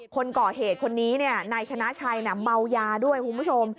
คนก่อเหตุคนนี้นายชนะชัยเมายาด้วยคุณผู้ชม